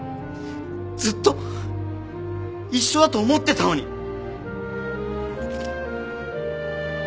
ずっと一緒だと思ってたのに。